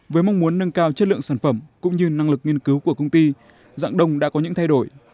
với mong muốn nâng cao chất lượng sản phẩm cũng như năng lực nghiên cứu của công ty dạng đông đã có những thay đổi